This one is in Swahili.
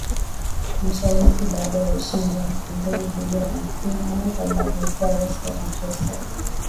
MasharikiBaada ya ushindi wa wapinzani dhidi ya Mobutu baba alikuwa rais na Joseph